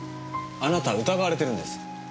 あなた疑われてるんです。